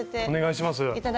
お願いします。